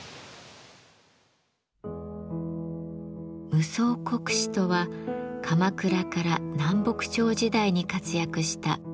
夢窓国師とは鎌倉から南北朝時代に活躍した夢窓疎石のこと。